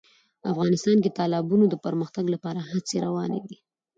افغانستان کې د تالابونو د پرمختګ لپاره هڅې روانې دي.